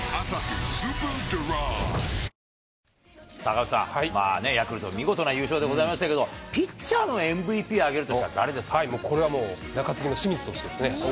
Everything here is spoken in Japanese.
赤星さん、ヤクルト、見事な優勝でございましたけれども、ピッチャーのＭＶＰをあげるこれはもう、中継ぎの清水投手ですね。